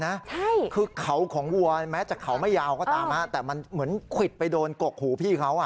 ใช่คือเขาของวัวแม้จะเขาไม่ยาวก็ตามฮะแต่มันเหมือนควิดไปโดนกกหูพี่เขาอ่ะ